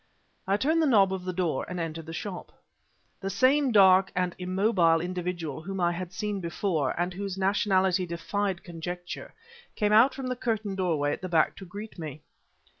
I turned the knob of the door and entered the shop. The same dark and immobile individual whom I had seen before, and whose nationality defied conjecture, came out from the curtained doorway at the back to greet me.